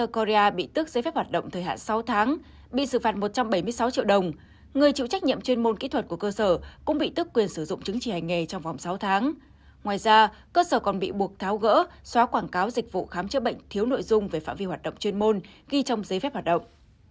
cơ sở này còn quảng cáo dịch vụ khám chữa bệnh thiếu nội dung về phạm vi hoạt động chuyên môn ghi trong giấy phép hoạt động